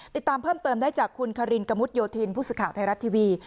ติดตามเพิ่มได้จากคุณคารินกะมุดโยธินพุศิษย์ข่าวไทยรัฐทีวี